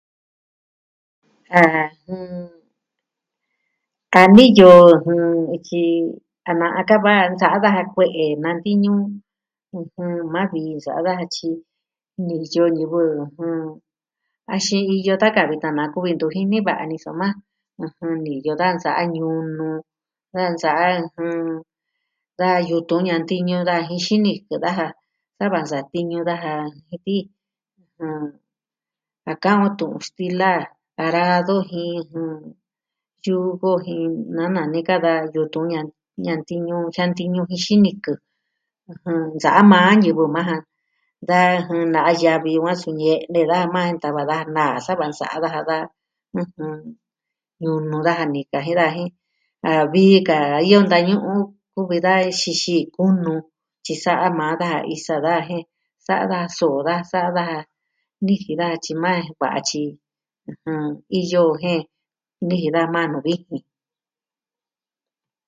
Ajɨn... Kaa niyo jɨn... ityi a na'a kava nsa'a daja kue'e nantiñu. ɨjɨn, maa vii nsa'a daja tyi, niyo ñivɨ ... jɨn, axin iyo taka vitan nakuvi ntu jini va'a ni soma, ɨjɨn... niyo da nsa'a ñunu jen nsa'a, jɨn... da yutun ñantiñu da jin xinikɨ daja. Sava nsatiñu daja. Jen ti... ɨjɨn... a ka'an o tu'un stila arado jin yugo jin na nanika yutun ñan... ñantiñu, jiantiñu jin xinikɨ. ɨjɨn... nsa'a maa ñivɨ maa ja. Da, jɨn, na ya'vi va suu ñe'e da maa ntava da naa sava nsa'a daja da... ɨjɨn... ñunu daja nika jin da jen a vii ka iyo ntañu'un. Kuvi da iin xixi kunu tyi sa'a maa daja isa daja jen sa'a da so'o da sa'a daja. Nijin daa tyi maa jen kuatyi... ɨjɨn... iyo jen nijin da maa nuu vijin.